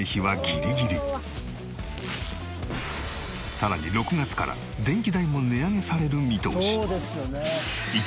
さらに６月から電気代も値上げされる見通し。